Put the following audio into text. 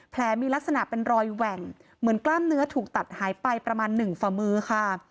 มีลักษณะเป็นรอยแหว่งเหมือนกล้ามเนื้อถูกตัดหายไปประมาณหนึ่งฝ่ามือค่ะ